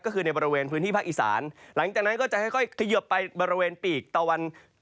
ก็คือในบริเวณพื้นที่ภาคอีสานหลังจากนั้นก็จะค่อยเขยิบไปบริเวณปีกตะวัน